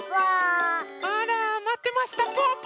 あらまってましたぽぅぽ！